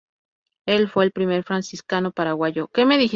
Él fue el primer franciscano paraguayo.